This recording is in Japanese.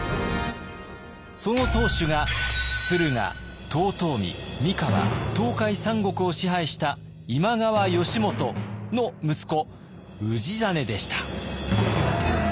その当主が駿河遠江三河東海三国を支配した今川義元の息子氏真でした。